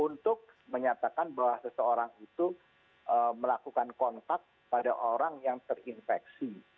untuk menyatakan bahwa seseorang itu melakukan kontak pada orang yang terinfeksi